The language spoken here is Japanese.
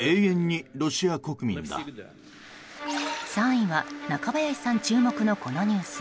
３位は中林さん注目のこのニュース。